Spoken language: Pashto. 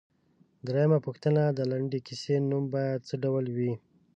درېمه پوښتنه ـ د لنډې کیسې نوم باید څه ډول وي؟